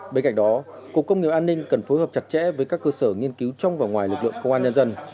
bên cạnh đó cục công nghiệp an ninh cần phối hợp chặt chẽ với các cơ sở nghiên cứu trong và ngoài lực lượng công an nhân dân